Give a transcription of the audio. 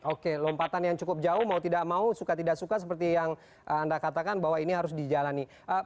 oke lompatan yang cukup jauh mau tidak mau suka tidak suka seperti yang anda katakan bahwa ini harus dijalani